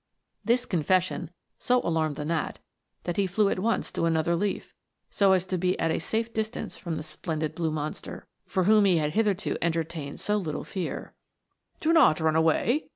This confession so alarmed the gnat, that he flew at once to another leaf, so as to be at a safe distance METAMORPHOSES. 149 from the splendid blue monster, for whom he had hitherto entertained so little fear. " Do not run away!"